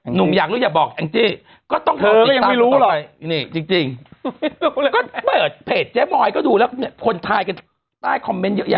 หนุ่มอยากรู้อย่าบอกแอ่งจี้ก็ต้องเธอก็ยังไม่รู้เลยจริงก็เปิดเพจเจ๊มอยด์ก็ดูแล้วคนถ่ายกันได้คอมเม้นท์เยอะแยะกว่า